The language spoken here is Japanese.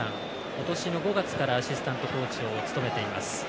今年の５月からアシスタントコーチを務めています。